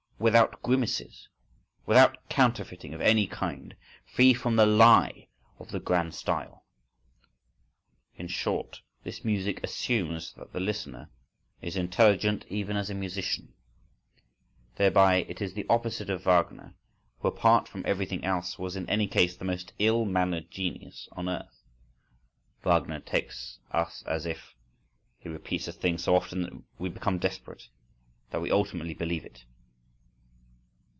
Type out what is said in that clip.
Without grimaces! Without counterfeiting of any kind! Free from the lie of the grand style!—In short: this music assumes that the listener is intelligent even as a musician,—thereby it is the opposite of Wagner, who, apart from everything else, was in any case the most ill mannered genius on earth (Wagner takes us as if …, he repeats a thing so often that we become desperate,—that we ultimately believe it).